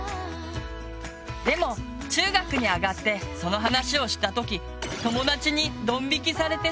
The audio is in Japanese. でも中学に上がってその話をした時友達にドンびきされてしまい